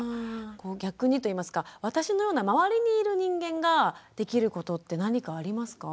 逆にといいますか私のような周りにいる人間ができることって何かありますか？